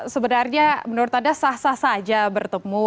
sebenarnya menurut anda sah sah saja bertemu